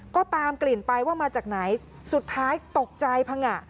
ก็ตามกลิ่นไปว่ามาจากไหนสุดท้ายตกใจพังงะ